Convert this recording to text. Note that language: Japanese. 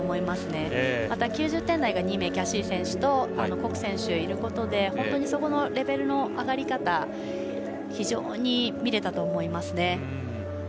また９０点台が２名キャシー選手と谷選手がいることでそこのレベルの上がり方非常に見れたと思いますね。